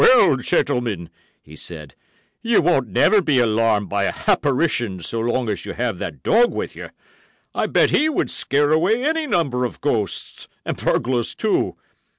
"Well, gentlemen," he said, "you won't never be alarmed by a happarition so long as you have that dog with you. I bet he would scare away any number of ghosts, and burglars, too.